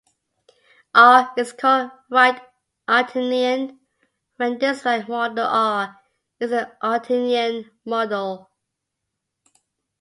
"R" is called right Artinian when this right module "R" is an Artinian module.